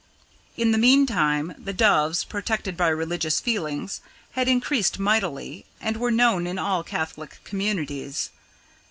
In the meantime the doves, protected by religious feeling, had increased mightily, and were known in all Catholic communities.